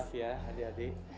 maaf ya adik adik